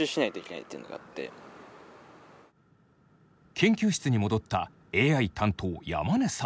研究室に戻ったＡＩ担当山根さん。